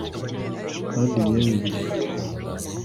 Kandi yewe ibihe